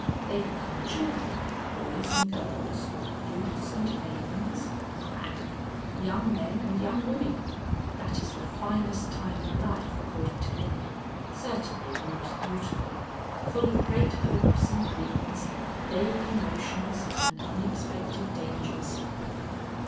They become children, boys and girls, youths and maidens (Crack), young men and young women. That is the finest time in life, according to many certainly the most beautiful. Full of great hopes and dreams, vague emotions and unexpected dangers."